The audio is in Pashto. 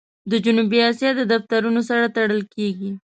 د جنوبي آسیا د دفترونو سره تړل کېږي.